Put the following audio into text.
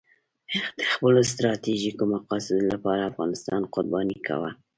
د خپلو ستراتیژیکو مقاصدو لپاره افغانستان قرباني کاوه.